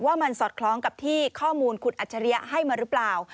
ว่ามันสอดคล้องกับที่ข้อมูลคุณอัจฉริยะให้มาหรือเปล่า